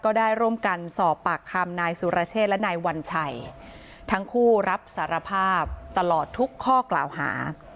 ได้ร่วมกันสอบปากคำนายสุรเชษและนายวัญชัยทั้งคู่รับสารภาพตลอดทุกข้อกล่าวหา